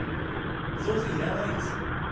増税いらないです。